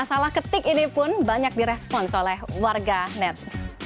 salah ketik ini pun banyak direspon oleh warga net